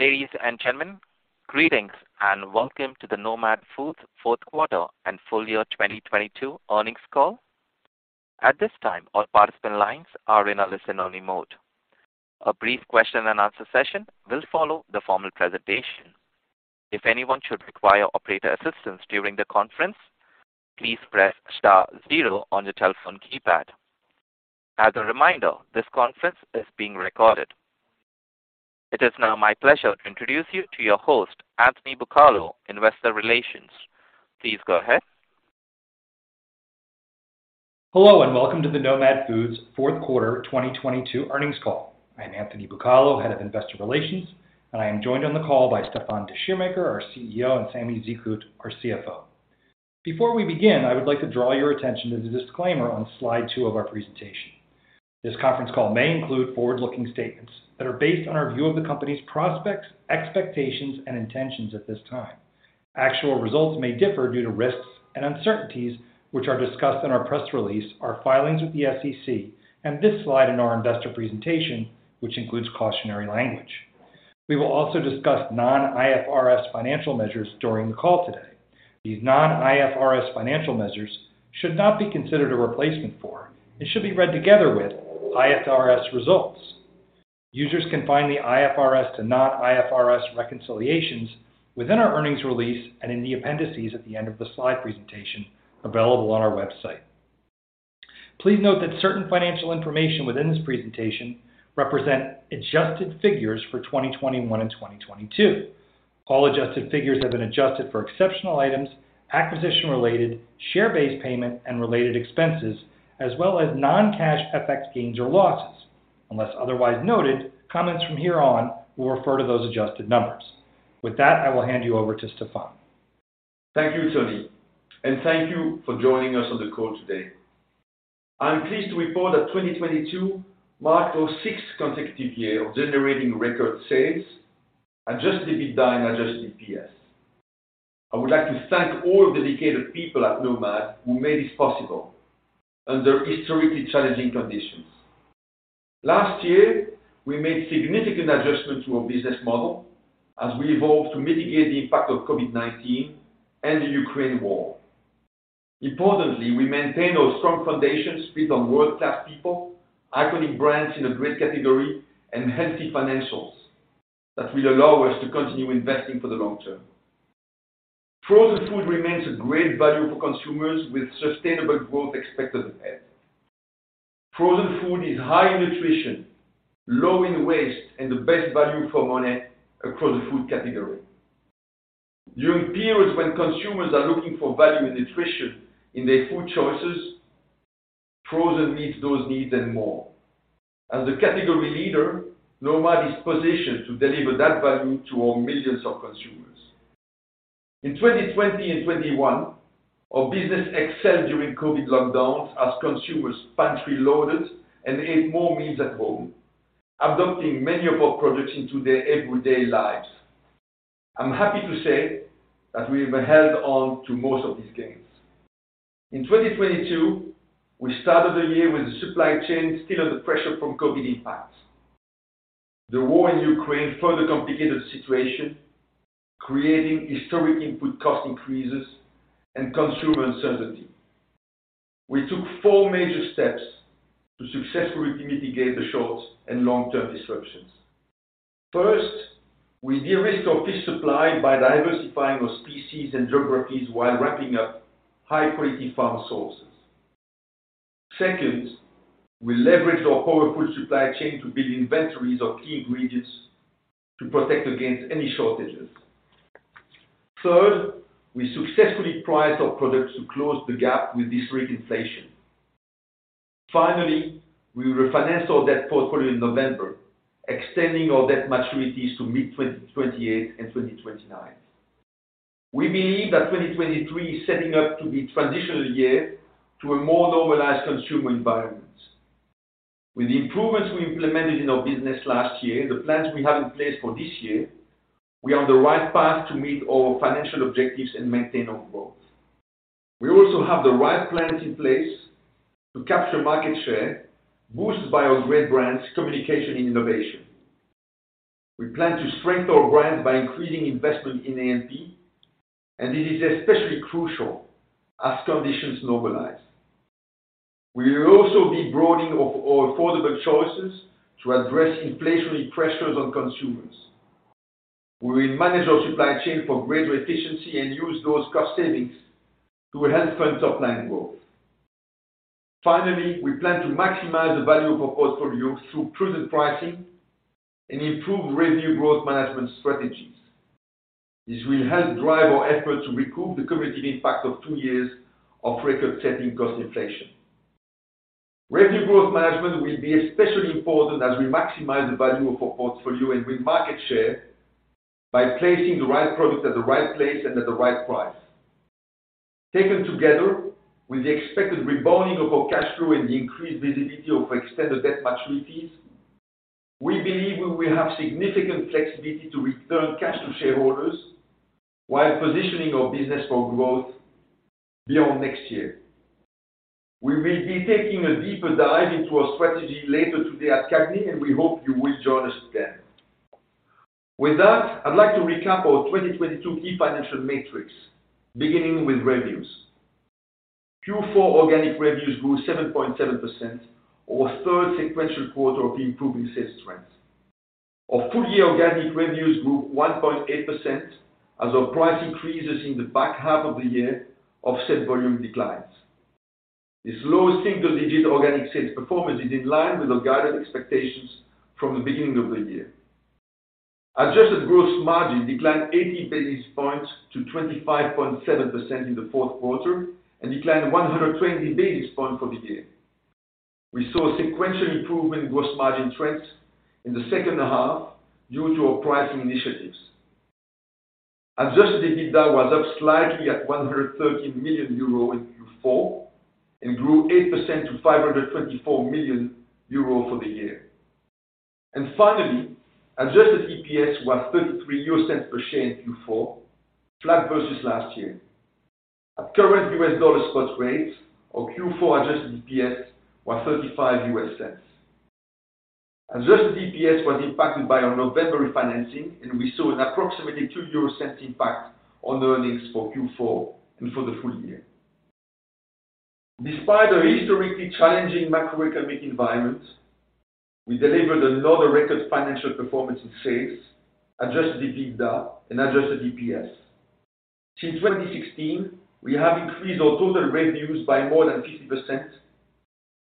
Ladies and gentlemen, greetings, and welcome to the Nomad Foods Fourth Quarter and Full Year 2022 Earnings Call. At this time, all participant lines are in a listen-only mode. A brief question and answer session will follow the formal presentation. If anyone should require operator assistance during the conference, please press star zero on your telephone keypad. As a reminder, this conference is being recorded. It is now my pleasure to introduce you to your host, Anthony Bucalo, Investor Relations. Please go ahead. Hello, welcome to the Nomad Foods fourth quarter 2022 earnings call. I'm Anthony Bucalo, Head of Investor Relations, and I am joined on the call by Stéfan Descheemaeker, our CEO, and Samy Zekhout, our CFO. Before we begin, I would like to draw your attention to the disclaimer on slide two of our presentation. This conference call may include forward-looking statements that are based on our view of the company's prospects, expectations, and intentions at this time. Actual results may differ due to risks and uncertainties, which are discussed in our press release, our filings with the SEC, and this slide in our investor presentation, which includes cautionary language. We will also discuss non-IFRS financial measures during the call today. These non-IFRS financial measures should not be considered a replacement for, and should be read together with IFRS results. Users can find the IFRS to non-IFRS reconciliations within our earnings release and in the appendices at the end of the slide presentation available on our website. Please note that certain financial information within this presentation represent adjusted figures for 2021 and 2022. All adjusted figures have been adjusted for exceptional items, acquisition-related, share-based payment and related expenses, as well as non-cash FX gains or losses. Unless otherwise noted, comments from here on will refer to those adjusted numbers. With that, I will hand you over to Stéfan. Thank you, Tony, and thank you for joining us on the call today. I'm pleased to report that 2022 marked our sixth consecutive year of generating record sales, adjusted EBITDA, and adjusted EPS. I would like to thank all dedicated people at Nomad who made this possible under historically challenging conditions. Last year, we made significant adjustments to our business model as we evolved to mitigate the impact of COVID-19 and the Ukraine War. Importantly, we maintain our strong foundations built on world-class people, iconic brands in a great category, and healthy financials that will allow us to continue investing for the long term. Frozen food remains a great value for consumers with sustainable growth expected ahead. Frozen food is high in nutrition, low in waste, and the best value for money across the food category. During periods when consumers are looking for value and nutrition in their food choices, frozen meets those needs and more. As the category leader, Nomad is positioned to deliver that value to all millions of consumers. In 2020 and 2021, our business excelled during COVID lockdowns as consumers pantry loaded and ate more meals at home, adopting many of our products into their everyday lives. I'm happy to say that we've held on to most of these gains. In 2022, we started the year with the supply chain still under pressure from COVID impacts. The war in Ukraine further complicated the situation, creating historic input cost increases and consumer uncertainty. We took four major steps to successfully mitigate the short and long-term disruptions. First, we de-risked our fish supply by diversifying our species and geographies while ramping up high-quality farm sources. Second, we leveraged our powerful supply chain to build inventories of key ingredients to protect against any shortages. Third, we successfully priced our products to close the gap with this rate inflation. Finally, we refinanced our debt portfolio in November, extending our debt maturities to mid-2028 and 2029. We believe that 2023 is setting up to be a transitional year to a more normalized consumer environment. With the improvements we implemented in our business last year, the plans we have in place for this year, we are on the right path to meet our financial objectives and maintain our growth. We also have the right plans in place to capture market share boosted by our great brands, communication, and innovation. We plan to strengthen our brands by increasing investment in A&P, and it is especially crucial as conditions normalize. We will also be broadening of our affordable choices to address inflationary pressures on consumers. We will manage our supply chain for greater efficiency and use those cost savings to help fund top line growth. Finally, we plan to maximize the value of our portfolio through prudent pricing and improve Revenue Growth Management strategies. This will help drive our effort to recoup the cumulative impact of two years of record-setting cost inflation. Revenue Growth Management will be especially important as we maximize the value of our portfolio and win market share by placing the right product at the right place and at the right price. Taken together with the expected rebounding of our cash flow and the increased visibility of extended debt maturities, we believe we will have significant flexibility to return cash to shareholders while positioning our business for growth beyond next year. We will be taking a deeper dive into our strategy later today at CAGNY, and we hope you will join us then. With that, I'd like to recap our 2022 key financial metrics, beginning with revenues. Q4 organic revenues grew 7.7% or 3rd sequential quarter of improving sales trends. Our full year organic revenues grew 1.8% as our price increases in the back half of the year offset volume declines. This low single-digit organic sales performance is in line with our guided expectations from the beginning of the year. Adjusted gross margin declined 80 basis points to 25.7% in the fourth quarter and declined 120 basis points for the year. We saw sequential improvement in gross margin trends in the second half due to our pricing initiatives. adjusted EBITDA was up slightly at 113 million euro in Q4 and grew 8% to 534 million euro for the year. Finally, adjusted EPS was 0.33 euros per share in Q4, flat versus last year. At current U.S. dollar spot rates, our Q4 adjusted EPS was $0.35. Adjusted EPS was impacted by our November refinancing, and we saw an approximately 0.02 impact on earnings for Q4 and for the full year. Despite a historically challenging macroeconomic environment, we delivered another record financial performance in sales, adjusted EBITDA, and adjusted EPS. Since 2016, we have increased our total revenues by more than 50%,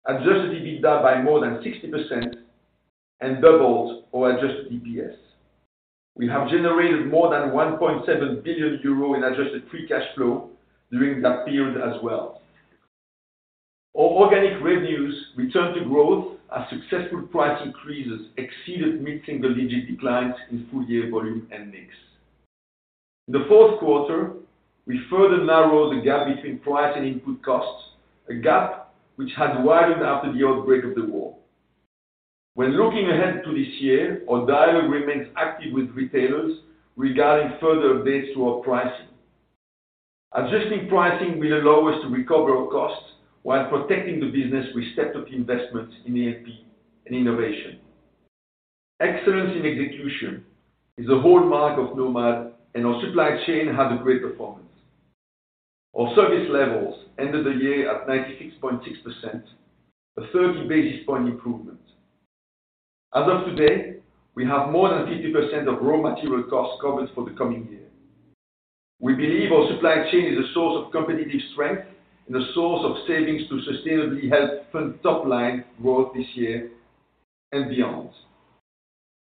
adjusted EBITDA by more than 60%, and doubled our adjusted EPS. We have generated more than 1.7 billion euro in adjusted free cash flow during that period as well. Our organic revenues return to growth as successful price increases exceeded mid-single-digit declines in full year volume and mix. The fourth quarter, we further narrow the gap between price and input costs, a gap which had widened after the outbreak of the war. When looking ahead to this year, our dialogue remains active with retailers regarding further updates to our pricing. Adjusting pricing will allow us to recover our costs while protecting the business with stepped-up investments in A&P and innovation. Excellence in execution is a hallmark of Nomad, and our supply chain had a great performance. Our service levels ended the year at 96.6%, a 30 basis point improvement. As of today, we have more than 50% of raw material costs covered for the coming year. We believe our supply chain is a source of competitive strength and a source of savings to sustainably help fund top line growth this year and beyond.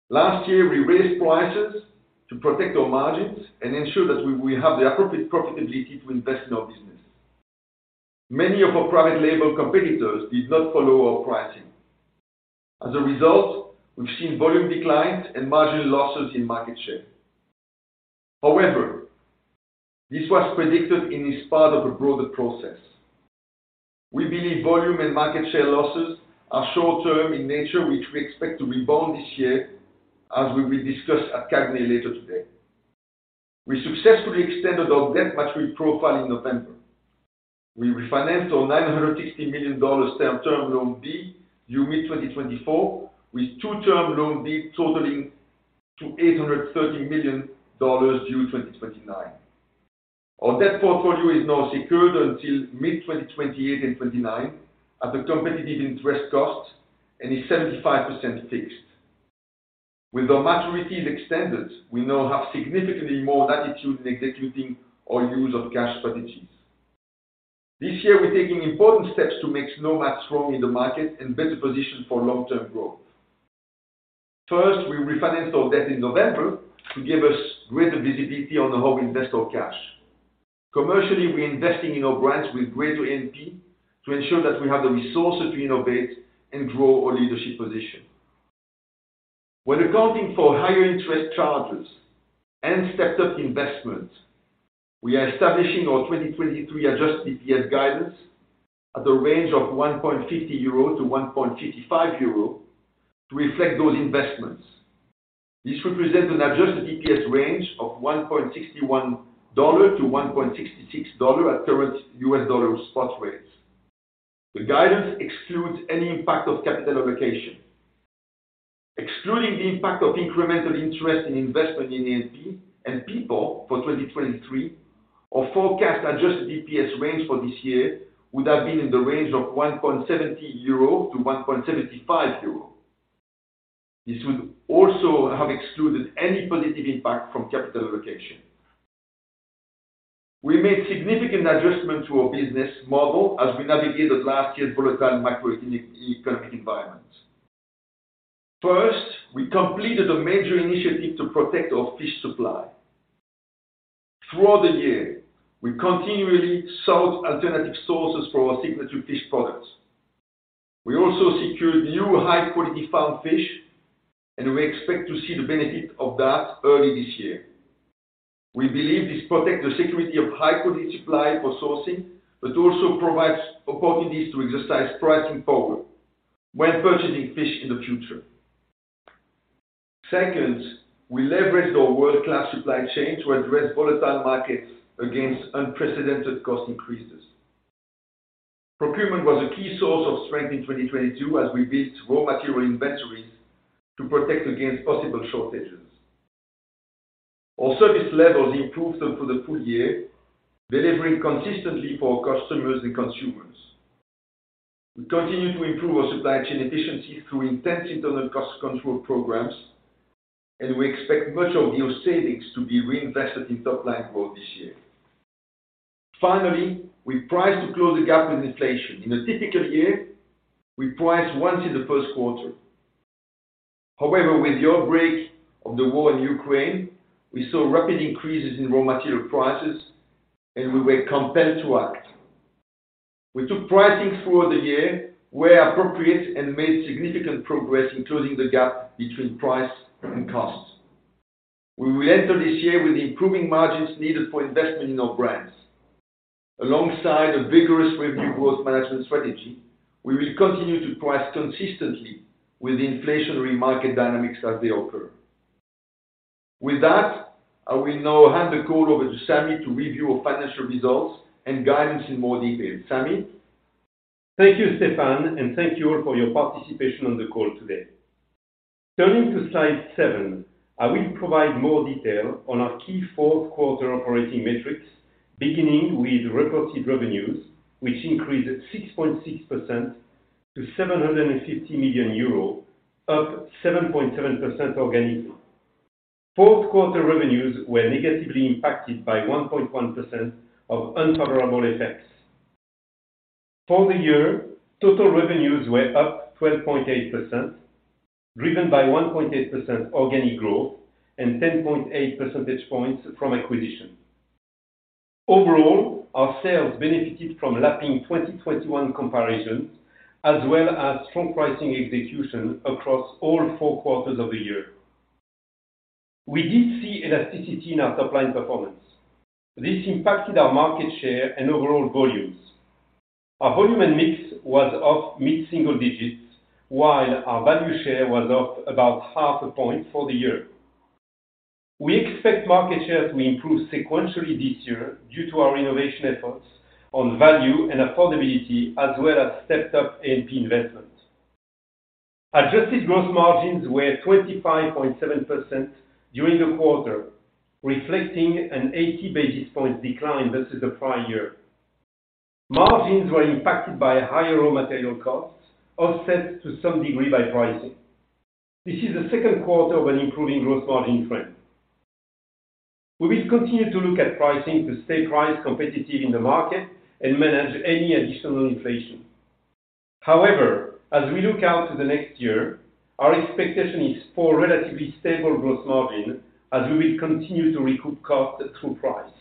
Last year, we raised prices to protect our margins and ensure that we will have the appropriate profitability to invest in our business. Many of our private label competitors did not follow our pricing. As a result, we've seen volume declines and margin losses in market share. However, this was predicted and is part of a broader process. We believe volume and market share losses are short-term in nature, which we expect to rebound this year as we will discuss at CAGNY later today. We successfully extended our debt maturity profile in November. We refinanced our $960 million Term Loan B, due mid 2024, with two Term Loan B totaling to $830 million due 2029. Our debt portfolio is now secured until mid 2028 and 2029 at a competitive interest cost and is 75% fixed. With our maturities extended, we now have significantly more latitude in executing our use of cash strategies. This year, we're taking important steps to make Nomad strong in the market and better positioned for long-term growth. First, we refinanced our debt in November to give us greater visibility on how we invest our cash. Commercially, we're investing in our brands with greater A&P to ensure that we have the resources to innovate and grow our leadership position. When accounting for higher interest charges and stepped up investments, we are establishing our 2023 adjusted EPS guidance at the range of 1.50-1.55 euro to reflect those investments. This represents an adjusted EPS range of $1.61-$1.66 at current U.S. dollar spot rates. The guidance excludes any impact of capital allocation. Excluding the impact of incremental interest in investment in A&P and people for 2023, our forecast adjusted EPS range for this year would have been in the range of 1.70-1.75 euro. This would also have excluded any positive impact from capital allocation. We made significant adjustments to our business model as we navigated last year's volatile macroeconomic environment. First, we completed a major initiative to protect our fish supply. Throughout the year, we continually sought alternative sources for our signature fish products. We also secured new high-quality farmed fish, and we expect to see the benefit of that early this year. We believe this protects the security of high-quality supply for sourcing, but also provides opportunities to exercise pricing power when purchasing fish in the future. Second, we leveraged our world-class supply chain to address volatile markets against unprecedented cost increases. Procurement was a key source of strength in 2022 as we built raw material inventories to protect against possible shortages. Our service levels improved through the full year, delivering consistently for our customers and consumers. We continue to improve our supply chain efficiency through intense internal cost control programs, and we expect much of those savings to be reinvested in top-line growth this year. Finally, we priced to close the gap with inflation. In a typical year, we price once in the first quarter. With the outbreak of the war in Ukraine, we saw rapid increases in raw material prices, and we were compelled to act. We took pricing throughout the year where appropriate and made significant progress in closing the gap between price and cost. We will enter this year with improving margins needed for investment in our brands. Alongside a vigorous Revenue Growth Management strategy, we will continue to price consistently with inflationary market dynamics as they occur. With that, I will now hand the call over to Samy to review our financial results and guidance in more detail. Samy? Thank you, Stéfan, and thank you all for your participation on the call today. Turning to slide seven, I will provide more detail on our key fourth quarter operating metrics, beginning with reported revenues, which increased 6.6% to EUR 750 million, up 7.7% organically. Fourth quarter revenues were negatively impacted by 1.1% of unfavorable effects. For the year, total revenues were up 12.8%, driven by 1.8% organic growth and 10.8 percentage points from acquisition. Overall, our sales benefited from lapping 2021 comparisons as well as strong pricing execution across all four quarters of the year. We did see elasticity in our top line performance. This impacted our market share and overall volumes. Our volume and mix was up mid-single digits, while our value share was up about 0.5 points for the year. We expect market share to improve sequentially this year due to our innovation efforts on value and affordability, as well as stepped up A&P investment. Adjusted gross margins were 25.7% during the quarter, reflecting an 80 basis points decline versus the prior year. Margins were impacted by higher raw material costs, offset to some degree by pricing. This is the second quarter of an improving gross margin trend. We will continue to look at pricing to stay price competitive in the market and manage any additional inflation. However, as we look out to the next year, our expectation is for relatively stable gross margin as we will continue to recoup costs through price.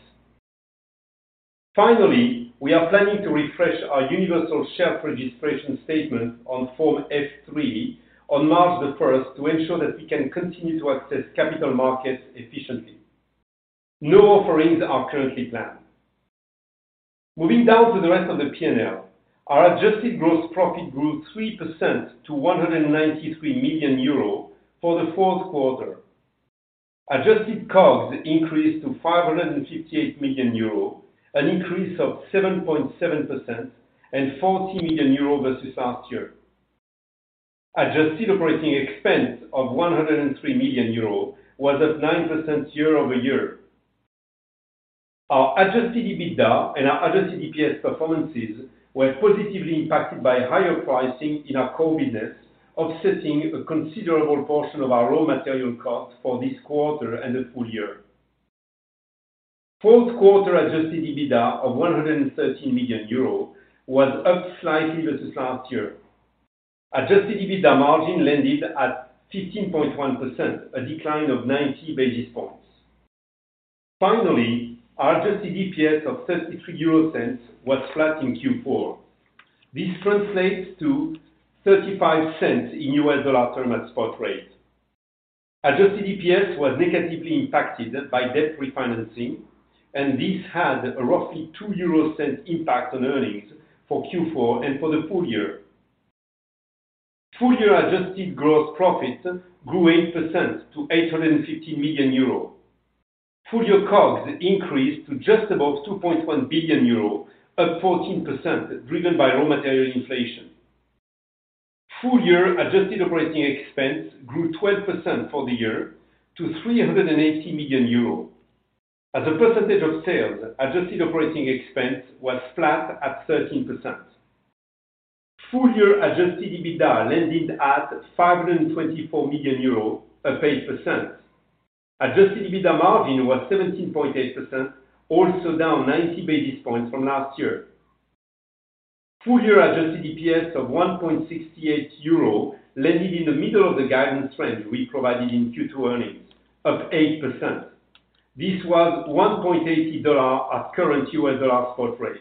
Finally, we are planning to refresh our Universal Shelf Registration Statement on Form S-3 on March the first to ensure that we can continue to access capital markets efficiently. No offerings are currently planned. Moving down to the rest of the P&L, our adjusted gross profit grew 3% to 193 million euro for the fourth quarter. Adjusted COGS increased to 558 million euro, an increase of 7.7% and 40 million euro versus last year. Adjusted operating expense of 103 million euro was up 9% year-over-year. Our adjusted EBITDA and our adjusted EPS performances were positively impacted by higher pricing in our core business, offsetting a considerable portion of our raw material costs for this quarter and the full year. Fourth quarter adjusted EBITDA of 113 million euros was up slightly versus last year. Adjusted EBITDA margin landed at 15.1%, a decline of 90 basis points. Our adjusted EPS of EUR 0.33 was flat in Q4. This translates to $0.35 in U.S. dollar term at spot rate. adjusted EPS was negatively impacted by debt refinancing, and this had a roughly 0.02 impact on earnings for Q4 and for the full year. Full year adjusted gross profit grew 8% to 850 million euros. Full year COGS increased to just above 2.1 billion euros, up 14%, driven by raw material inflation. Full year adjusted operating expense grew 12% for the year to 380 million euros. As a percentage of sales, adjusted operating expense was flat at 13%. Full year adjusted EBITDA landed at 524 million euros, up 8%. Adjusted EBITDA margin was 17.8%, also down 90 basis points from last year. Full year adjusted EPS of 1.68 euro landed in the middle of the guidance range we provided in Q2 earnings, up 8%. This was $1.80 at current U.S. dollar spot rates.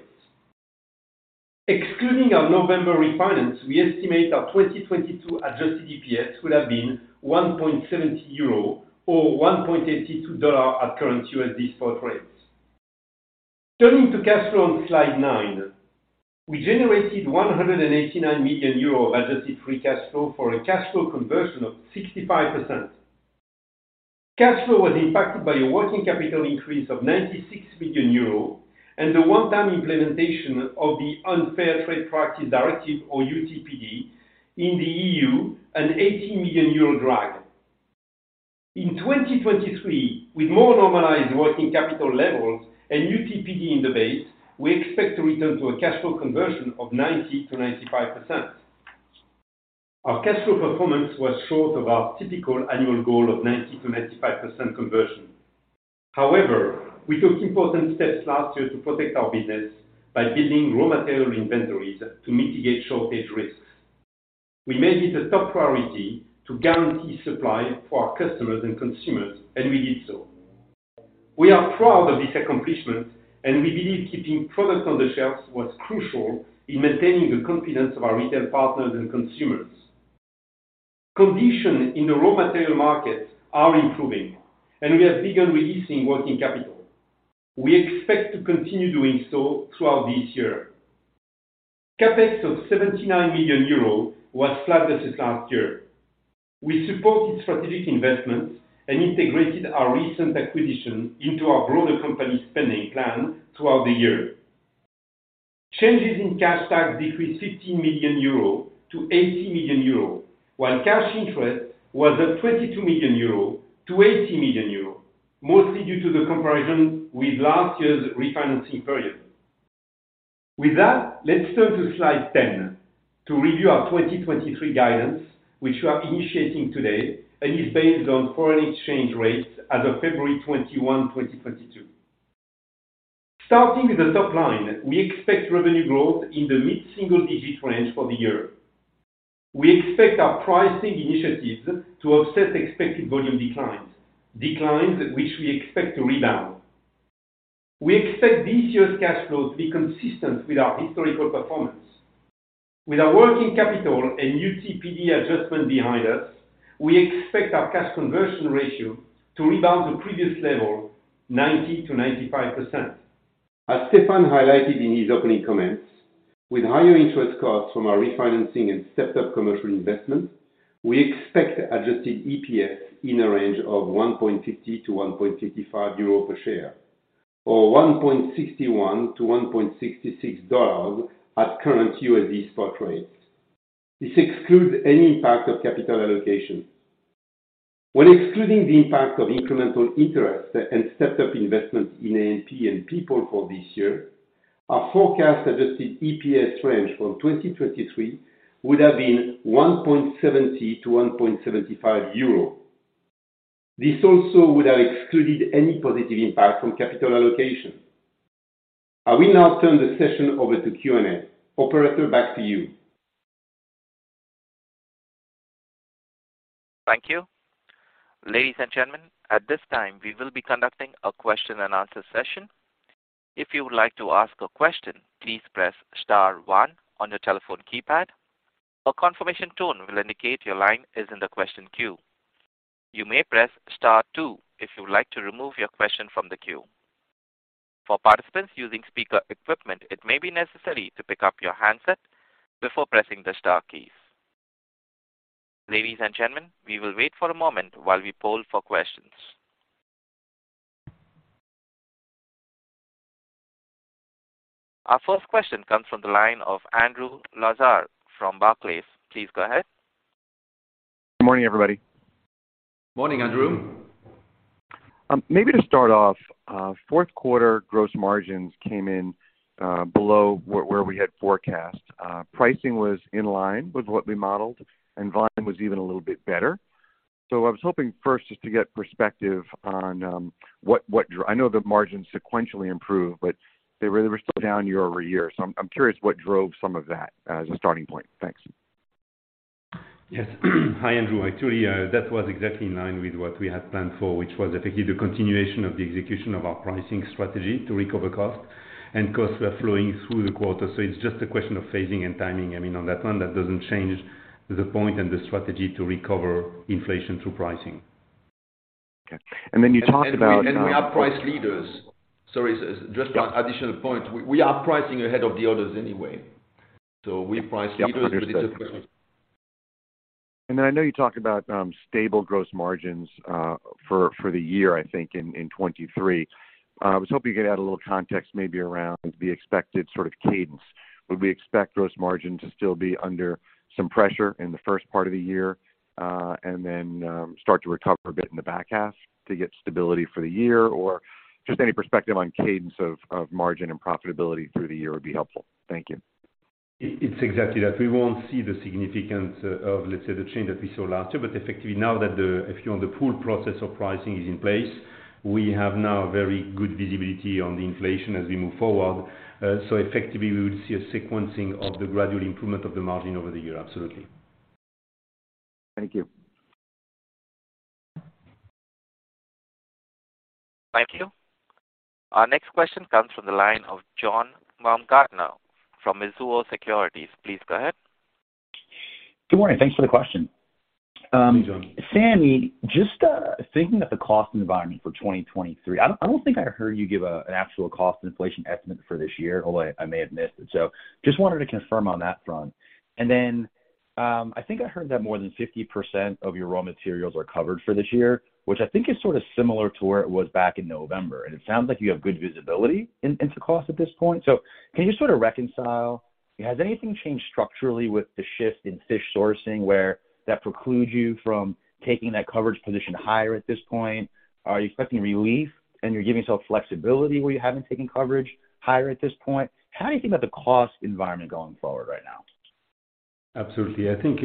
Excluding our November refinance, we estimate our 2022 adjusted EPS would have been 1.70 euro or $1.82 at current USD spot rates. Turning to cash flow on slide 9. We generated 189 million euro of adjusted free cash flow for a cash flow conversion of 65%. Cash flow was impacted by a working capital increase of 96 million euros and the one-time implementation of the Unfair Trade Practice Directive or UTPD in the EU, an 80 million euro drag. In 2023, with more normalized working capital levels and UTPD in the base, we expect to return to a cash flow conversion of 90%-95%. Our cash flow performance was short of our typical annual goal of 90%-95% conversion. However, we took important steps last year to protect our business by building raw material inventories to mitigate shortage risks. We made it a top priority to guarantee supply for our customers and consumers, and we did so. We are proud of this accomplishment, and we believe keeping products on the shelves was crucial in maintaining the confidence of our retail partners and consumers. Condition in the raw material markets are improving, and we have begun releasing working capital. We expect to continue doing so throughout this year. CapEx of 79 million euro was flat versus last year. We supported strategic investments and integrated our recent acquisition into our broader company spending plan throughout the year. Changes in cash tax decreased 15 million euro to 80 million euro, while cash interest was at 22 million euro to 80 million euro, mostly due to the comparison with last year's refinancing period. Let's turn to slide 10 to review our 2023 guidance, which we are initiating today and is based on foreign exchange rates as of February 21, 2022. Starting with the top line, we expect revenue growth in the mid-single digit range for the year. We expect our pricing initiatives to offset expected volume declines which we expect to rebound. We expect this year's cash flow to be consistent with our historical performance. With our working capital and UTPD adjustment behind us, we expect our cash conversion ratio to rebound to previous level, 90%-95%. As Stéfan highlighted in his opening comments, with higher interest costs from our refinancing and stepped up commercial investment, we expect adjusted EPS in a range of 1.50-1.55 euro per share or $1.61-$1.66 at current USD spot rates. This excludes any impact of capital allocation. When excluding the impact of incremental interest and stepped up investment in A&P and people for this year, our forecast adjusted EPS range for 2023 would have been 1.70-1.75 euro. This also would have excluded any positive impact from capital allocation. I will now turn the session over to Q&A. Operator, back to you. Thank you. Ladies and gentlemen, at this time, we will be conducting a question and answer session. If you would like to ask a question, please press star one on your telephone keypad. A confirmation tone will indicate your line is in the question queue. You may press star two if you would like to remove your question from the queue. For participants using speaker equipment, it may be necessary to pick up your handset before pressing the star keys. Ladies and gentlemen, we will wait for a moment while we poll for questions. Our first question comes from the line of Andrew Lazar from Barclays. Please go ahead. Good morning, everybody. Morning, Andrew. Maybe to start off, fourth quarter gross margins came in below where we had forecast. Pricing was in line with what we modeled, volume was even a little bit better. I was hoping first just to get perspective on what I know the margins sequentially improved, but they were still down year-over-year. I'm curious what drove some of that as a starting point. Thanks. Yes. Hi, Andrew. Actually, that was exactly in line with what we had planned for, which was effectively the continuation of the execution of our pricing strategy to recover cost. Costs were flowing through the quarter. It's just a question of phasing and timing. I mean, on that one, that doesn't change the point and the strategy to recover inflation through pricing. Okay. Then you talked about. We are price leaders. Sorry, just additional point. We are pricing ahead of the others anyway. We price leaders- Yep, understood. It's a question. I know you talked about stable gross margins for the year, I think in 2023. I was hoping you could add a little context maybe around the expected sort of cadence. Would we expect gross margin to still be under some pressure in the first part of the year, start to recover a bit in the back half to get stability for the year? Just any perspective on cadence of margin and profitability through the year would be helpful. Thank you. It's exactly that. We won't see the significance of, let's say, the change that we saw last year, but effectively now that the, if you're on the full process of pricing is in place, we have now very good visibility on the inflation as we move forward. Effectively, we would see a sequencing of the gradual improvement of the margin over the year. Absolutely. Thank you. Thank you. Our next question comes from the line of John Baumgartner from Mizuho Securities. Please go ahead. Good morning. Thanks for the question. Please go on. Samy, just thinking of the cost environment for 2023. I don't think I heard you give an actual cost inflation estimate for this year, although I may have missed it. Just wanted to confirm on that front. I think I heard that more than 50% of your raw materials are covered for this year, which I think is sort of similar to where it was back in November, and it sounds like you have good visibility into cost at this point. Can you sort of reconcile, has anything changed structurally with the shift in fish sourcing where that precludes you from taking that coverage position higher at this point? Are you expecting relief and you're giving yourself flexibility where you haven't taken coverage higher at this point? How do you think about the cost environment going forward right now? Absolutely. I think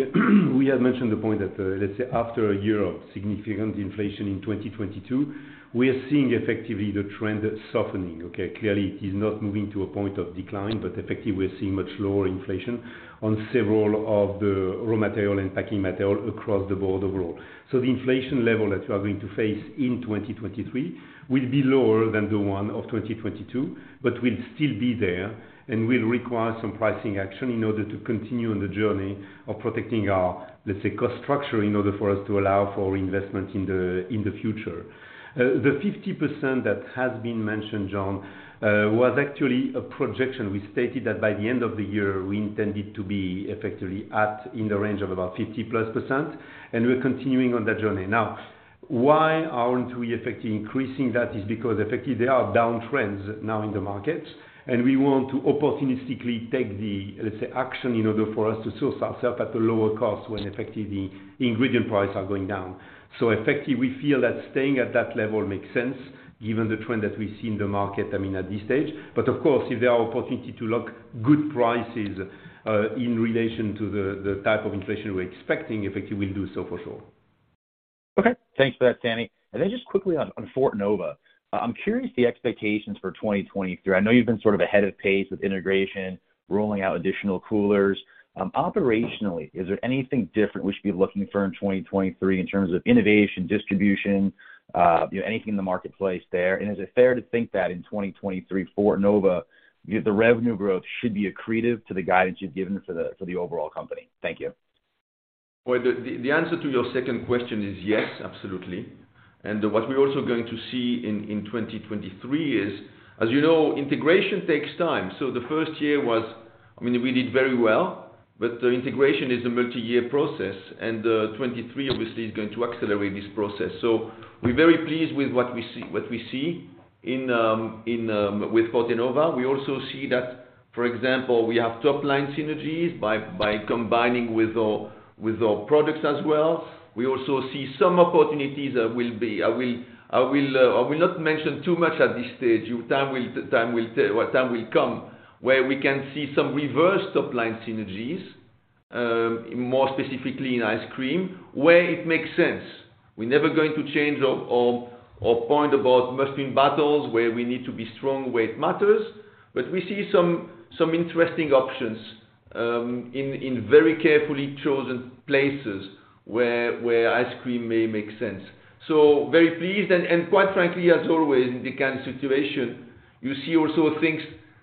we had mentioned the point that, let's say after a year of significant inflation in 2022, we are seeing effectively the trend softening. Okay. Clearly, it is not moving to a point of decline, but effectively, we're seeing much lower inflation on several of the raw material and packing material across the board overall. The inflation level that we are going to face in 2023 will be lower than the one of 2022, but will still be there and will require some pricing action in order to continue on the journey of protecting our, let's say, cost structure in order for us to allow for investment in the, in the future. The 50% that has been mentioned, John, was actually a projection. We stated that by the end of the year, we intended to be effectively at in the range of about 50+%, and we're continuing on that journey. Why aren't we effectively increasing that is because effectively there are down trends now in the market, and we want to opportunistically take the, let's say, action in order for us to source ourselves at a lower cost when effectively the ingredient price are going down. Effectively, we feel that staying at that level makes sense given the trend that we see in the market, I mean, at this stage. Of course, if there are opportunity to lock good prices in relation to the type of inflation we're expecting, effectively, we'll do so for sure. Okay. Thanks for that, Samy. Just quickly on Fortenova. I'm curious the expectations for 2023. I know you've been sort of ahead of pace with integration, rolling out additional coolers. Operationally, is there anything different we should be looking for in 2023 in terms of innovation, distribution, you know, anything in the marketplace there? Is it fair to think that in 2023, Fortenova, the revenue growth should be accretive to the guidance you've given for the overall company? Thank you. The answer to your second question is yes, absolutely. What we're also going to see in 2023 is, as you know, integration takes time. The first year was, I mean, we did very well, but the integration is a multi-year process, and 2023 obviously is going to accelerate this process. We're very pleased with what we see in Fortenova. We also see that, for example, we have top-line synergies by combining with our products as well. We also see some opportunities that I will not mention too much at this stage. Time will tell. Time will come where we can see some reverse top-line synergies, more specifically in ice cream, where it makes sense. We're never going to change our point about must-win battles, where we need to be strong, where it matters. We see some interesting options in very carefully chosen places where ice cream may make sense. Very pleased and quite frankly, as always, in the current situation, you see also things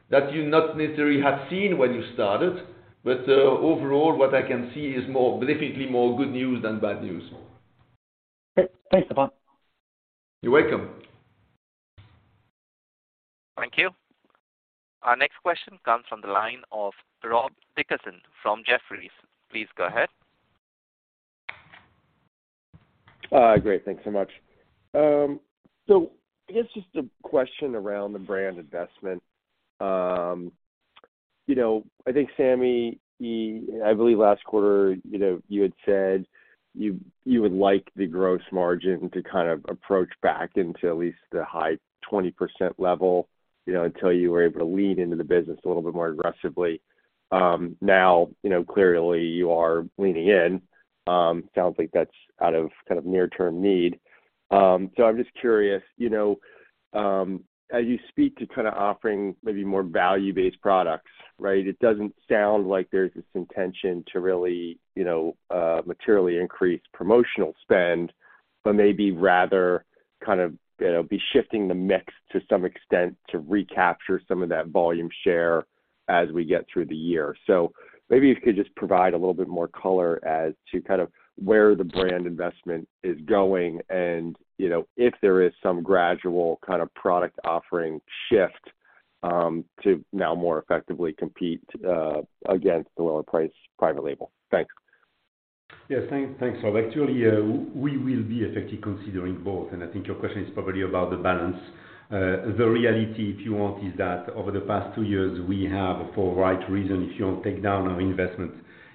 that you not necessarily have seen when you started. Overall, what I can see is definitely more good news than bad news. Thanks, Stéfan. You're welcome. Thank you. Our next question comes from the line of Rob Dickerson from Jefferies. Please go ahead. Great. Thanks so much. I guess just a question around the brand investment. You know, I think Samy, I believe last quarter, you know, you had said you would like the gross margin to kind of approach back into at least the high 20% level, you know, until you were able to lean into the business a little bit more aggressively. Now, you know, clearly you are leaning in. Sounds like that's out of kind of near-term need. I'm just curious, you know, as you speak to kind of offering maybe more value-based products, right? It doesn't sound like there's this intention to really, you know, materially increase promotional spend, but maybe rather kind of, you know, be shifting the mix to some extent to recapture some of that volume share as we get through the year. Maybe you could just provide a little bit more color as to kind of where the brand investment is going and, you know, if there is some gradual kind of product offering shift, to now more effectively compete against the lower priced private label. Thanks. Yes. Thanks, Rob. Actually, we will be effectively considering both, and I think your question is probably about the balance. The reality, if you want, is that over the past two years, we have, for right reason, if you don't take down our investment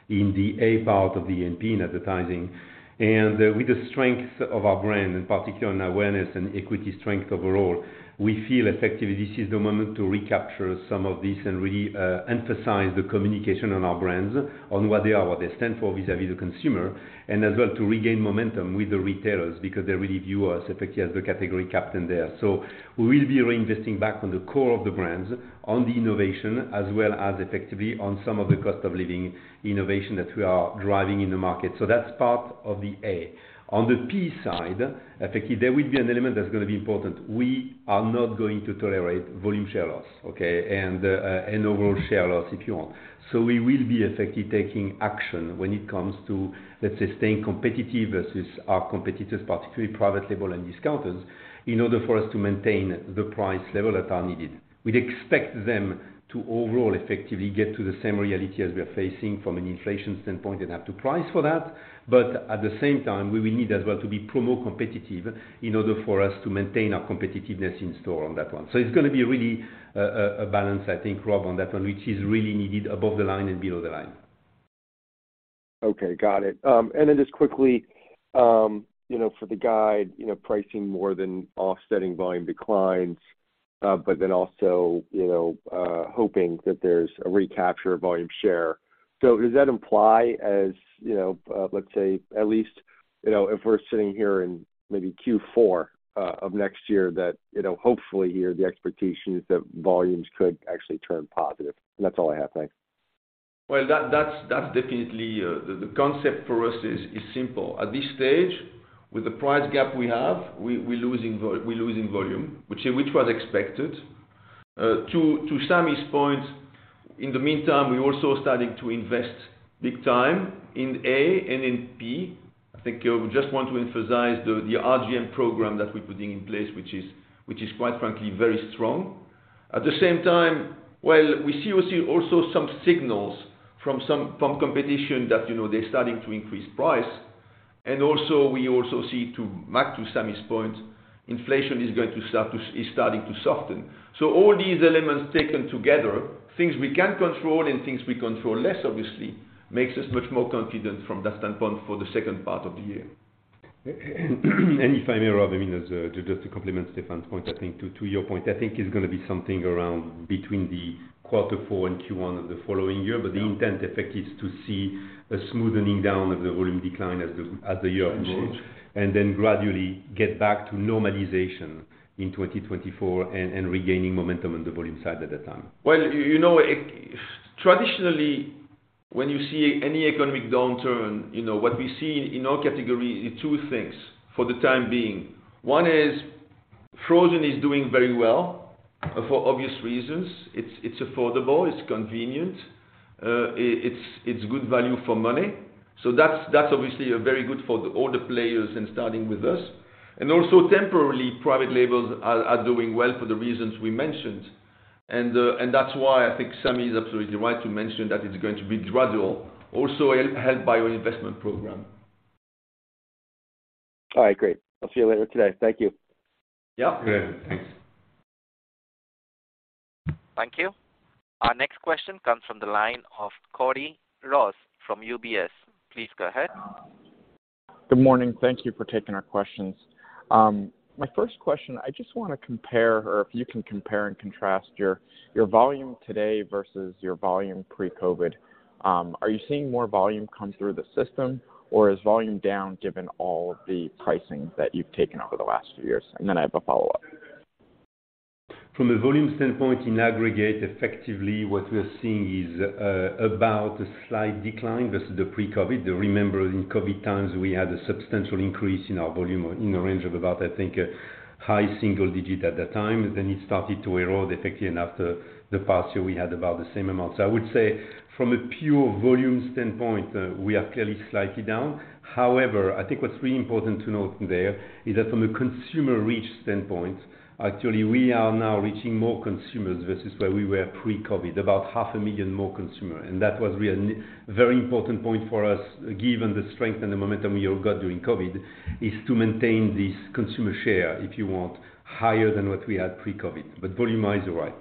in the A part of the A&P in advertising and with the strength of our brand, in particular in awareness and equity strength overall, we feel effectively this is the moment to recapture some of this and really emphasize the communication on our brands on what they are, what they stand for vis-à-vis the consumer, and as well, to regain momentum with the retailers because they really view us effectively as the category captain there. We will be reinvesting back on the core of the brands, on the innovation as well as effectively on some of the cost of living innovation that we are driving in the market. That's part of the A. On the P side, effectively, there will be an element that's gonna be important. We are not going to tolerate volume share loss, okay, and overall share loss, if you want. We will be effectively taking action when it comes to, let's say, staying competitive versus our competitors, particularly private label and discounters. In order for us to maintain the price level that are needed. We'd expect them to overall effectively get to the same reality as we are facing from an inflation standpoint and have to price for that. At the same time, we will need as well to be promo competitive in order for us to maintain our competitiveness in store on that one. It's gonna be really a balance, I think, Rob, on that one, which is really needed above the line and below the line. Okay, got it. Then just quickly, you know, for the guide, you know, pricing more than offsetting volume declines, then also, you know, hoping that there's a recapture of volume share. Does that imply as, you know, let's say at least, you know, if we're sitting here in maybe Q4 of next year, that, you know, hopefully here the expectation is that volumes could actually turn positive? That's all I have. Thanks. Well, that's definitely the concept for us is simple. At this stage, with the price gap we have, we're losing volume, which was expected. To Samy's point, in the meantime, we're also starting to invest big time in A&P. I think we just want to emphasize the RGM program that we're putting in place, which is quite frankly, very strong. At the same time, while we see also some signals from competition that, you know, they're starting to increase price. We also see, back to Samy's point, inflation is starting to soften. All these elements taken together, things we can control and things we control less, obviously, makes us much more confident from that standpoint for the second part of the year. If I may, Rob, I mean, just to complement Stéfan's point, I think to your point, I think it's gonna be something around between the quarter four and Q1 of the following year. The intent effect is to see a smoothening down of the volume decline as the year change, and then gradually get back to normalization in 2024 and regaining momentum on the volume side at that time. You know, traditionally, when you see any economic downturn, you know, what we see in all categories is two things for the time being. One is frozen is doing very well for obvious reasons. It's, it's affordable, it's convenient, it's good value for money. That's, that's obviously very good for all the players and starting with us. Also temporarily, private labels are doing well for the reasons we mentioned. That's why I think Samy is absolutely right to mention that it's going to be gradual, also helped by our investment program. All right, great. I'll see you later today. Thank you. Yeah. Great. Thanks. Thank you. Our next question comes from the line of Cody Ross from UBS. Please go ahead. Good morning. Thank you for taking our questions. My first question, I just wanna compare or if you can compare and contrast your volume today versus your volume pre-COVID. Are you seeing more volume come through the system or is volume down given all the pricing that you've taken over the last few years? Then I have a follow-up. From a volume standpoint, in aggregate, effectively, what we're seeing is about a slight decline versus the pre-COVID. Remember, in COVID times, we had a substantial increase in our volume in the range of about, I think, a high single-digit at that time. Then it started to erode effectively, and after the past year, we had about the same amount. I would say from a pure volume standpoint, we are clearly slightly down. However, I think what's really important to note there is that from a consumer reach standpoint, actually, we are now reaching more consumers versus where we were pre-COVID, about half a million more consumer. That was really a very important point for us, given the strength and the momentum we all got during COVID, is to maintain this consumer share, if you want, higher than what we had pre-COVID. Volume-wise, you're right.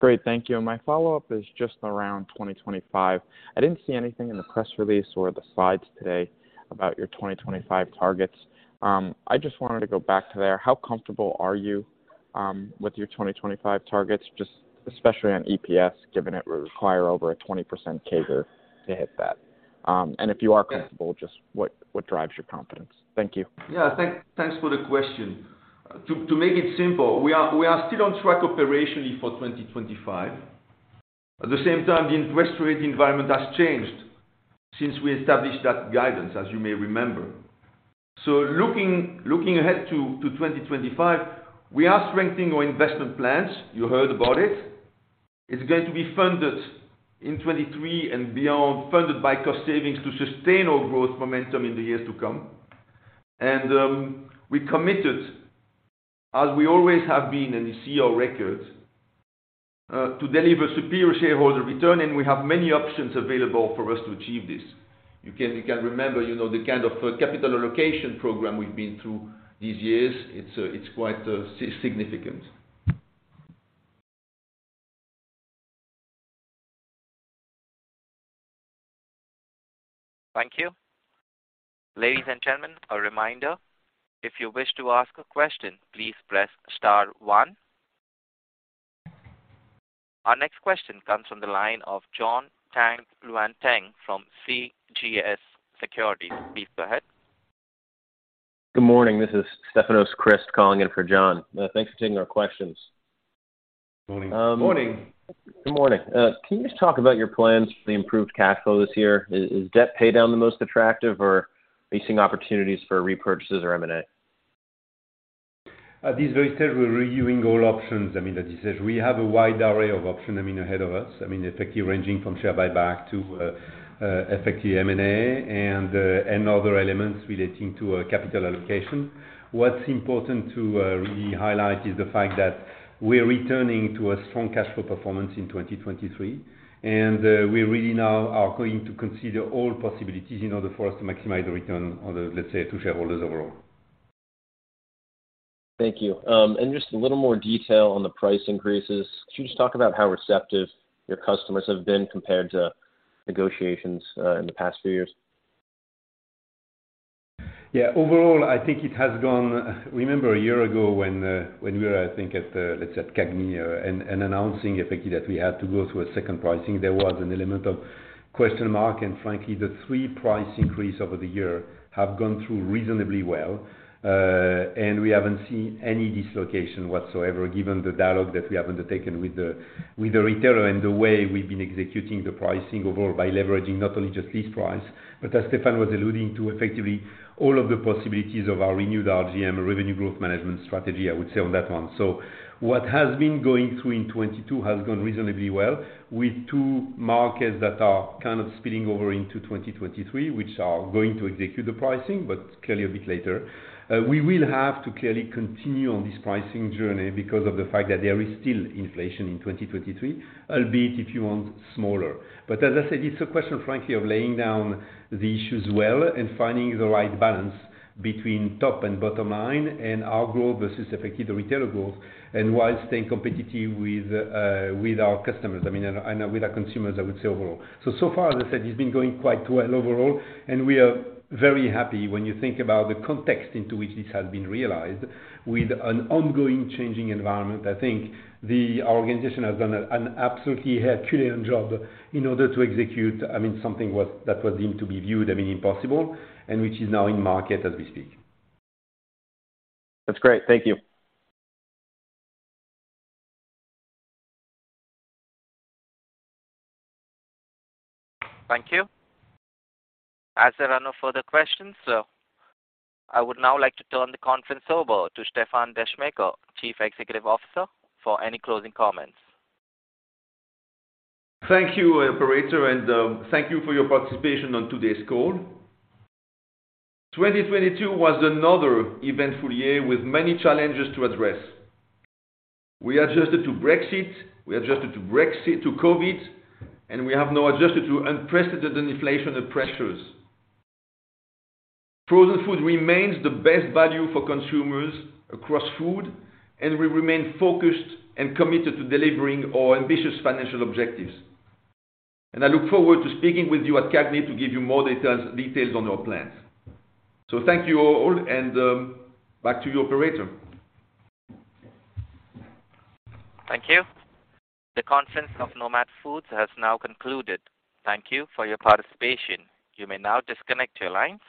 Great. Thank you. My follow-up is just around 2025. I didn't see anything in the press release or the slides today about your 2025 targets. I just wanted to go back to there. How comfortable are you, with your 2025 targets, just especially on EPS, given it require over a 20% CAGR to hit that? If you are comfortable, just what drives your confidence? Thank you. Yeah. Thanks for the question. To make it simple, we are still on track operationally for 2025. At the same time, the interest rate environment has changed since we established that guidance, as you may remember. Looking, looking ahead to 2025, we are strengthening our investment plans. You heard about it. It's going to be funded in 2023 and beyond, funded by cost savings to sustain our growth momentum in the years to come. We committed, as we always have been, and you see our records, to deliver superior shareholder return, and we have many options available for us to achieve this. You can remember, you know, the kind of capital allocation program we've been through these years. It's quite significant. Thank you. Ladies and gentlemen, a reminder, if you wish to ask a question, please press star one. Our next question comes from the line of Jon Tanwanteng from CJS Securities. Please go ahead. Good morning. This is Stefanos Crist calling in for Jon. Thanks for taking our questions. Morning. Morning. Good morning. Can you just talk about your plans for the improved cash flow this year? Is debt paydown the most attractive or are you seeing opportunities for repurchases or M&A? At this very stage, we're reviewing all options. I mean, as you said, we have a wide array of options, I mean, ahead of us. I mean, effectively ranging from share buyback to effectively M&A and other elements relating to capital allocation. What's important to really highlight is the fact that we're returning to a strong cash flow performance in 2023. We really now are going to consider all possibilities in order for us to maximize the return on the, let's say, to shareholders overall. Thank you. Just a little more detail on the price increases. Can you just talk about how receptive your customers have been compared to negotiations in the past few years? Yeah, overall, I think it has gone—Remember a year ago when when we were, I think, at, let's say, at CAGNY, announcing effectively that we had to go through a second pricing, there was an element of question mark. Frankly, the three price increase over the year have gone through reasonably well, and we haven't seen any dislocation whatsoever, given the dialogue that we have undertaken with the retailer and the way we've been executing the pricing overall by leveraging not only just list price, but as Stéfan was alluding to effectively all of the possibilities of our renewed RGM, Revenue Growth Management strategy, I would say on that one. What has been going through in 2022 has gone reasonably well with two markets that are kind of spilling over into 2023, which are going to execute the pricing, but clearly a bit later. We will have to clearly continue on this pricing journey because of the fact that there is still inflation in 2023, albeit, if you want, smaller. As I said, it's a question, frankly, of laying down the issues well and finding the right balance between top and bottom line and our growth versus effectively the retailer growth and while staying competitive with our customers, I mean, and with our consumers, I would say overall. So far, as I said, it's been going quite well overall, and we are very happy when you think about the context into which this has been realized with an ongoing changing environment. I think the organization has done an absolutely Herculean job in order to execute, I mean, something that was deemed to be viewed, I mean, impossible and which is now in market as we speak. That's great. Thank you. Thank you. As there are no further questions, I would now like to turn the conference over to Stéfan Descheemaeker, Chief Executive Officer, for any closing comments. Thank you, operator, thank you for your participation on today's call. 2022 was another eventful year with many challenges to address. We adjusted to Brexit, we adjusted to COVID, and we have now adjusted to unprecedented inflation and pressures. Frozen food remains the best value for consumers across food, and we remain focused and committed to delivering our ambitious financial objectives. I look forward to speaking with you at CAGNY to give you more details on our plans. Thank you all, and back to you, operator. Thank you. The conference of Nomad Foods has now concluded. Thank you for your participation. You may now disconnect your lines.